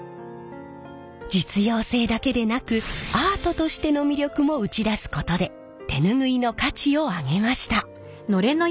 実用性だけでなくアートとしての魅力も打ち出すことで手ぬぐいの価値を上げました。